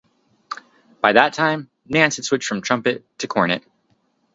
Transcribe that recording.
By that time, Nance had switched from trumpet to cornet.